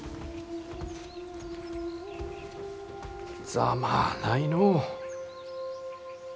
ざまあないのう。